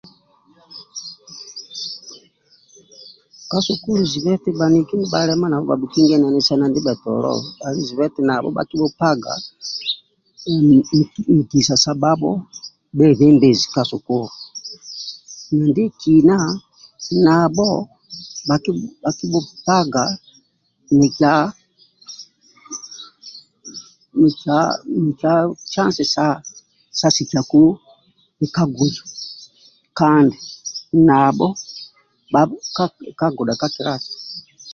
Ka sukulu zibe eti bhaniki bhalema bhabhukingyananisi na ndibhetolo ali zibe eti bhakibhupaga nkisa sa bhabho bhebembezi ka sukulu na ndiekina nabho bhakibhupaga mikua canci sa sikiyaku bhikaguzo kandi nabhi bhabhuikiliza ka godha ka kilasi